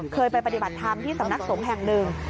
เคยไปปฏิบัติธรรมที่สำนักสงฆ์แห่งหนึ่ง